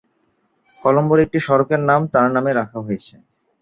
কলম্বোর একটি সড়কের নাম তার নামে রাখা হয়েছে।